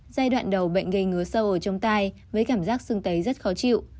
giai đoạn đầu bệnh gây ngứa sâu ở trong tai với cảm giác sưng tấy rất khó chịu